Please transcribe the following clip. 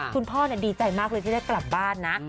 คุณพ่อดีใจมากเลยที่ได้กลับบ้านนะ